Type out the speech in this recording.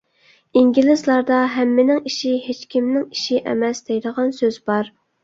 ئىنگلىزلاردا «ھەممىنىڭ ئىشى ھېچكىمنىڭ ئىشى» ئەمەس، دەيدىغان سۆز بار.